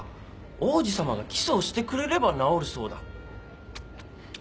王子さまがキスをしてくれれば治るそうだ。